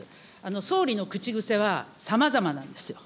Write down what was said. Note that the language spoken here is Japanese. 総理の口癖はさまざまなんですよ。